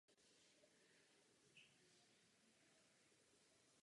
Kostýmy jsou jednou z nejdůležitějších součástí hry.